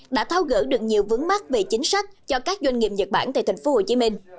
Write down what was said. đã tháo gỡ được nhiều vướng mắt về chính sách cho các doanh nghiệp nhật bản tại thành phố hồ chí minh